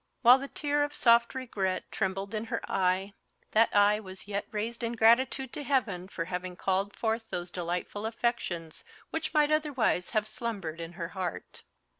While the tear of soft regret trembled in her eye, that eye was yet raised in gratitude to Heaven for having called forth those delightful affections which might otherwise have slumbered in her heart.